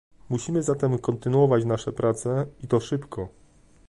Musimy zatem kontynuować nasze prace, i to szybko